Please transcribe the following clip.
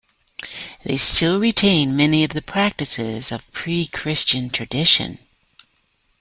They still retain many of the practices of pre-Christian tradition.